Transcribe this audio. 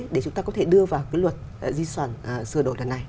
để chúng ta có thể đưa vào luật di sản xưa đổi lần này